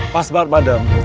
pas banget madam